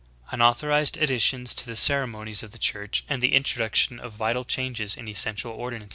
Unauthorized additions to the ceremonies of the Chttrch, and the introduction of vital changes in essential ordinances.